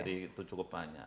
jadi itu cukup banyak